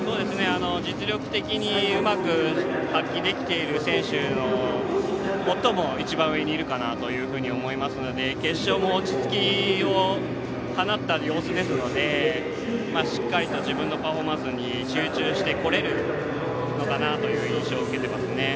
実力的にうまく発揮できている選手の最も一番上にいるかなというふうに思いますので決勝も落ち着きを放った様子ですのでしっかりと自分のパフォーマンスに集中してこれるのかなという印象を受けていますね。